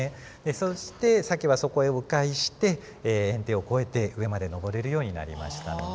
そしてサケはそこへ迂回して堰堤を越えて上まで上れるようになりましたので。